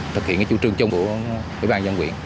thực hiện cái chủ trương chung của địa bàn dân quyện